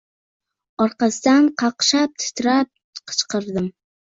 Orqasidan qaqshab-titrab qichqirdim: